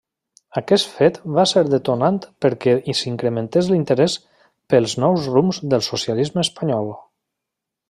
Aquest fet va ser detonant perquè s'incrementés l'interès pels nous rumbs del socialisme espanyol.